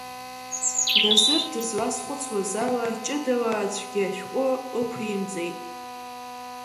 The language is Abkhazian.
Назыр дызлазхәыцуаз ала, ҷыдала аӡәгьы ашәҟәы ықәимҵеит.